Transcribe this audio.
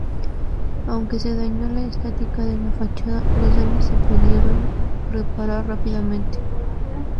Aunque se dañó la estática de la fachada, los daños se pudieron reparar rápidamente.